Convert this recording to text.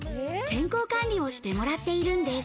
健康管理をしてもらっているんです。